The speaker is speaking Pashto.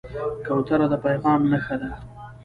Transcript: کوتره د پیغام نښه ده.